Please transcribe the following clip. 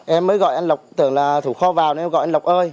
em mới gọi anh lộc tưởng là thủ kho vào em gọi anh lộc ơi